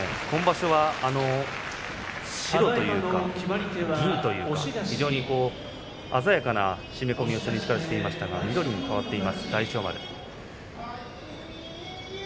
今場所は白というか銀というか非常に鮮やかな締め込みをしていましたが緑に変わっています大翔丸。